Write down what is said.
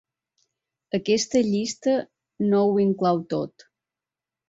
Aquesta llista no ho inclou tot.